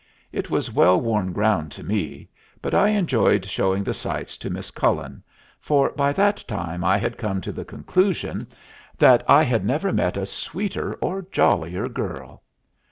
It was well worn ground to me, but I enjoyed showing the sights to Miss Cullen, for by that time I had come to the conclusion that I had never met a sweeter or jollier girl.